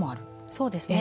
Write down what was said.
そうですね。